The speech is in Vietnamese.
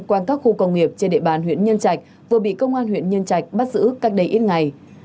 qua các khu công nghiệp trên địa bàn huyện nhân trạch vừa bị công an huyện nhân trạch bắt giữ cách đây ít ngày